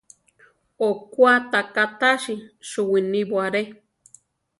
Okwá ta ká tasi suwinibo aré.